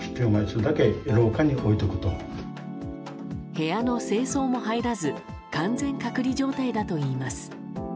部屋の清掃も入らず完全隔離状態だといいます。